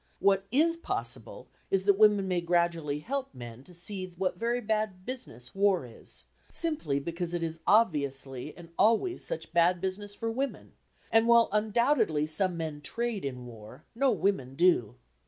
What is possible is that women may gradually help men to see what very bad business war is, simply because it is obviously and always such bad business for women, and while undoubtedly some men trade in war, no women do.